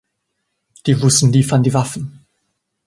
Die Russen liefern die Waffen.